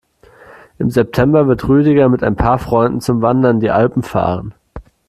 Im September wird Rüdiger mit ein paar Freunden zum Wandern in die Alpen fahren.